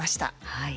はい。